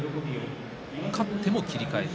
勝っても切り替え。